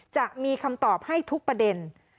จะมีคำตอบให้ทุกประเด็น